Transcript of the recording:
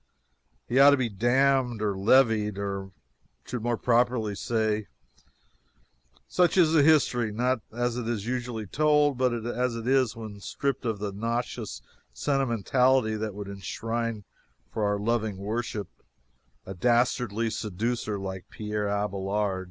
He ought to be dammed or leveed, I should more properly say. Such is the history not as it is usually told, but as it is when stripped of the nauseous sentimentality that would enshrine for our loving worship a dastardly seducer like Pierre Abelard.